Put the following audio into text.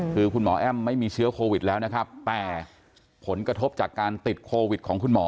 คือคุณหมอแอ้มไม่มีเชื้อโควิดแล้วนะครับแต่ผลกระทบจากการติดโควิดของคุณหมอ